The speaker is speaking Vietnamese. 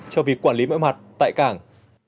cho việc quản lý mọi mặt tại cảng